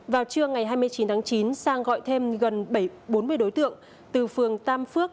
vào trưa ngày hai mươi chín tháng chín sang gọi thêm gần bốn mươi đối tượng từ phường tam phước